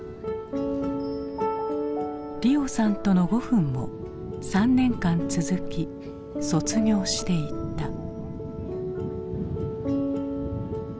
莉緒さんとの５分も３年間続き卒業していった。